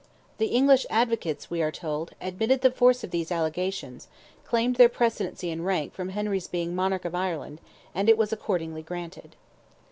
"The English advocates," we are told, "admitting the force of these allegations, claimed their precedency and rank from Henry's being monarch of Ireland, and it was accordingly granted."